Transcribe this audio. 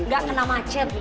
gak kena macet